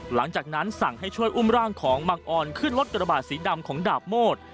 หลังจากนั้นสั่งให้ช่วยอุ้มร่างของบังออนขึ้นรถกระบาดสีดำของดาบโมด